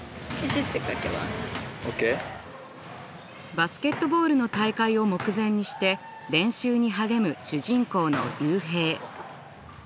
バスケットボールの大会を目前にして練習に励む主人公のリュウヘイ。